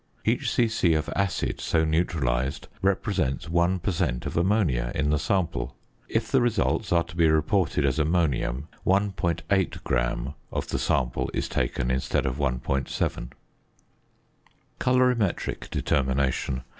Each c.c. of "acid" so neutralised, represents 1 per cent. of ammonia in the sample. If the results are to be reported as ammonium, 1.8 gram of the sample is taken instead of 1.7 gram. COLORIMETRIC DETERMINATION.